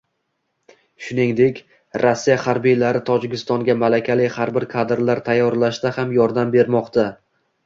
Shuningdek, Rossiya harbiylari Tojikistonga malakali harbiy kadrlar tayyorlashda ham yordam bermoqda